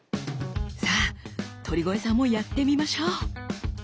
さあ鳥越さんもやってみましょう！